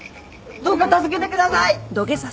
どうか助けてください！